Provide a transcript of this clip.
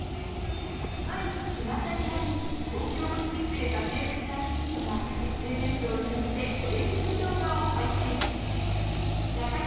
毎日決まった時間に東京オリンピックで活躍したアスリートがＳＮＳを通じてトレーニング動画を配信中条